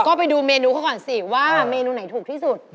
ก็ไปดูเมนูเขาก่อนสิว่าเมนูไหนถูกที่สุด